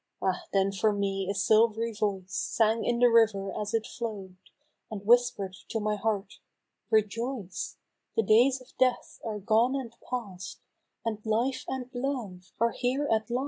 Ah ! then for me a silv'ry voice Sang in the river as it flow'd, And whisper'd to my heart " Rejoice, The days of Death are gone and past, And Life and Love are here at last